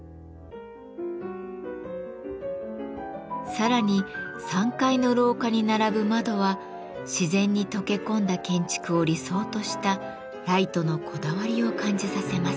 さらに３階の廊下に並ぶ窓は自然に溶け込んだ建築を理想としたライトのこだわりを感じさせます。